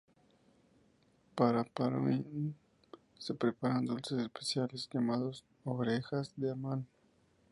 Para Purim se preparan dulces especiales, llamados "Orejas de Amán".